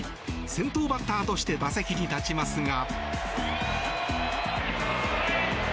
先頭バッターとして打席に立ちますが。